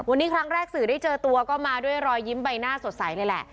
วันนี้ครั้งแรกสื่อได้เจอตัวก็มาด้วยรอยยิ้มใบหน้าสดใสเลยแหละ